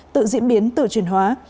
tự diễn biến tự truyền hóa